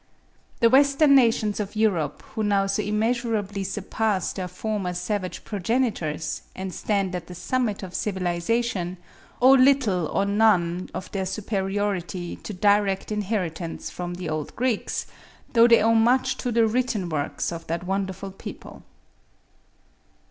1868, p. 357.) The western nations of Europe, who now so immeasurably surpass their former savage progenitors, and stand at the summit of civilisation, owe little or none of their superiority to direct inheritance from the old Greeks, though they owe much to the written works of that wonderful people.